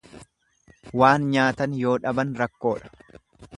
Waan nyaatan yoo dhaban rakkoodha.